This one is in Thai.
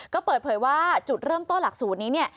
ก็เปิดเผยว่าจุดเริ่มโต้หลักสูตรนี้